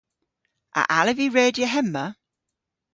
A allav vy redya hemma?